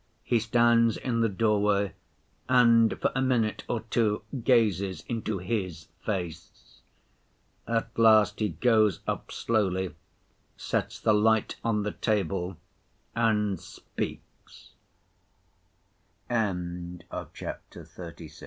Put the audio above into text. He stands in the doorway and for a minute or two gazes into His face. At last he goes up slowly, sets the light on the table and